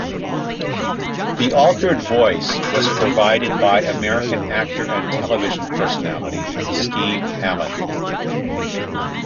The altered voice was provided by American actor and television personality Steve Allen.